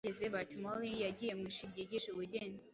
Bageze Baltimore yagiye mu ishuri ryigisha ubugeni